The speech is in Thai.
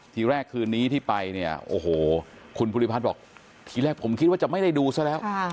ทีแรกคืนนี้ที่ไปเนี่ยโอ้โหคุณภูริพัฒน์บอกทีแรกผมคิดว่าจะไม่ได้ดูซะแล้ว